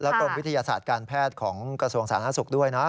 กรมวิทยาศาสตร์การแพทย์ของกระทรวงสาธารณสุขด้วยนะ